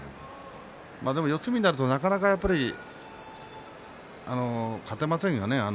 四つ身になると、なかなかやっぱり勝てませんよね